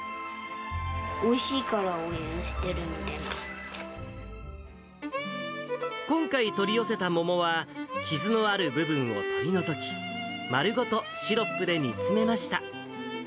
おいしいから応援してるみた今回、取り寄せた桃は、傷のある部分を取り除き、丸ごとシロップで煮詰めました。